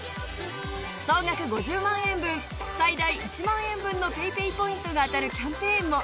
総額５０万円分最大１万円分のＰａｙＰａｙポイントが当たるキャンペーンも。